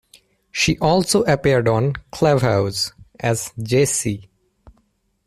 She also appeared on "Clubhouse" as Jessie.